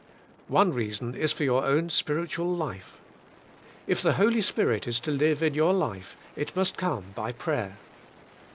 One reason is for your own spiritual life. If the Holy Spirit is to live in your life it must come by prayer.